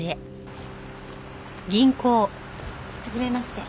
はじめまして。